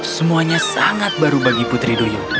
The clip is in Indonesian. semuanya sangat baru bagi putri duyung